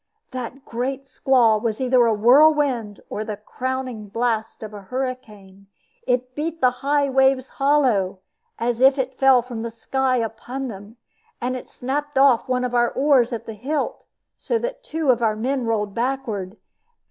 That great squall was either a whirlwind or the crowning blast of a hurricane. It beat the high waves hollow, as if it fell from the sky upon them; and it snapped off one of our oars at the hilt, so that two of our men rolled backward.